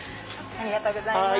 ありがとうございます。